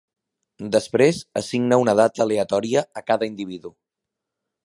Després, assigna una data aleatòria a cada individu.